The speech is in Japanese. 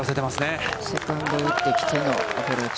積極的なセカンドを打ってきてのアプローチ。